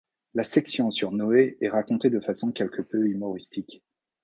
La section sur Noé est racontée de façon quelque peu humoristique.